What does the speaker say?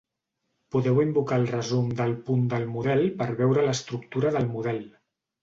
Podeu invocar el resum del punt del model per veure l'estructura del model.